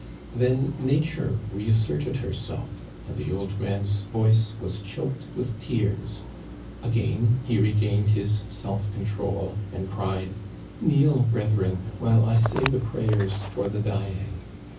Then Nature reasserted herself, and the old man's voice was choked with tears. Again he regained his self control, and cried :" Kneel, brethren, while I say the prayers for the dying."